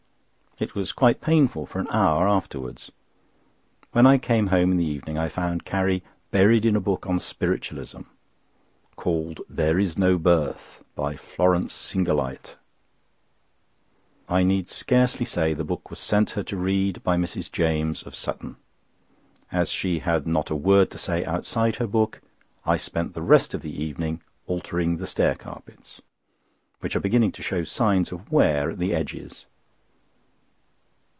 It was quite painful for an hour afterwards. When I came home in the evening I found Carrie buried in a book on Spiritualism, called There is no Birth, by Florence Singleyet. I need scarcely say the book was sent her to read by Mrs. James, of Sutton. As she had not a word to say outside her book, I spent the rest of the evening altering the stair carpets, which are beginning to show signs of wear at the edges.